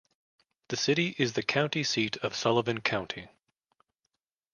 The city is the county seat of Sullivan County.